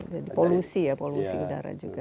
jadi polusi ya polusi udara juga